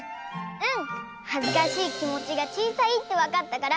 うん！